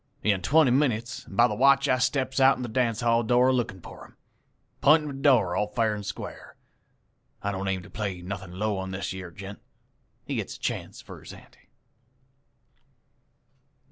In twenty minutes by the watch I steps outen the dance hall door a lookin' for him. P'int him to the door all fair an' squar'. I don't aim to play nothin' low on this yere gent. He gets a chance for his ante.'